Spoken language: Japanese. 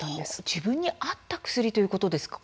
自分に合った薬ということですか？